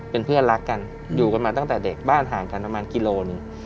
เป็นเพื่อนรักกันอยู่กันมาตั้งแต่เด็กบ้านห่างกันประมาณกิโลหนึ่ง